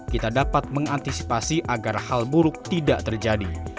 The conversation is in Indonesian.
kita dapat mengantisipasi agar hal buruk tidak terjadi